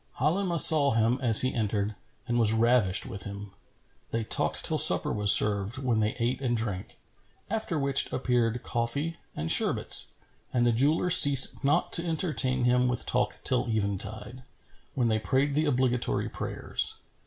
Halimah saw him, as he entered, and was ravished with him. They talked till supper was served when they ate and drank; after which appeared coffee and sherbets, and the jeweller ceased not to entertain him with talk till eventide, when they prayed the obligatory prayers.